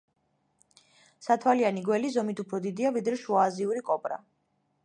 სათვალიანი გველი ზომით უფრო დიდია, ვიდრე შუააზიური კობრა.